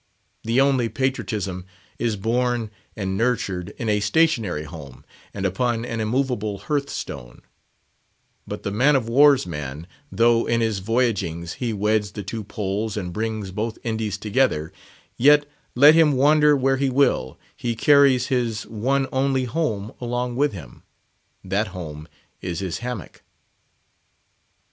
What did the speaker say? The only patriotism is born and nurtured in a stationary home, and upon an immovable hearth stone; but the man of war's man, though in his voyagings he weds the two Poles and brings both Indies together, yet, let him wander where he will, he carries his one only home along with him: that home is his hammock.